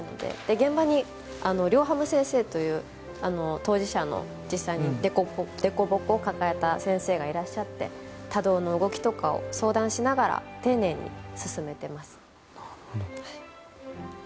現場にリョーハム先生という当事者の実際に凸凹を抱えた先生がいらっしゃって多動の動きとかを相談しながら丁寧に進めてます。